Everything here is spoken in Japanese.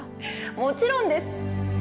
もちろんです。